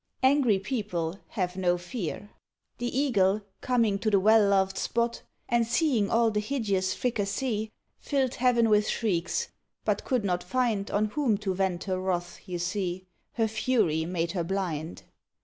Angry people have no fear. The Eagle, coming to the well loved spot, And seeing all the hideous fricassee, Filled heaven with shrieks; but could not find On whom to vent her wrath you see, Her fury made her blind.